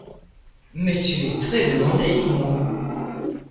Mais tu es très demandée, dis-moi. ..